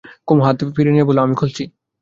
কুমু হাত ফিরিয়ে নিয়ে বললে, আমি খুলছি।